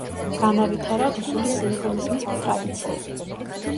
განავითარა რუსული სიმფონიზმის ტრადიციები.